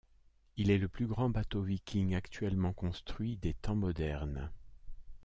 Il est le plus grand bateau viking actuellement construit des temps modernes.